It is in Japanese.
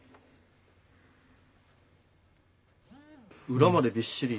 裏までびっしり。